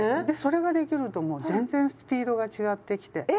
でそれができるともう全然スピードが違ってきて。